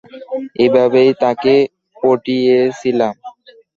এভাবেই তাকে পটিয়েছিলাম।